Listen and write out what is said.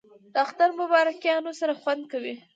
د اختر مبارکیانو سره خوند کوي